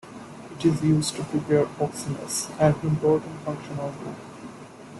It is used to prepare oximes, an important functional group.